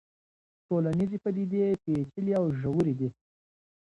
ټولنيزې پديدې پېچلې او ژورې دي.